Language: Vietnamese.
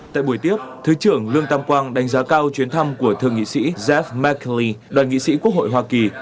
tại buổi tiếp thượng tướng lương tam quang đánh giá cao chuyến thăm của thượng nghị sĩ jeff mckee đoàn nghị sĩ quốc hội hoa kỳ